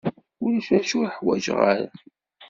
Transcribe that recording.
Ulac acu ur ḥwaǧen ara.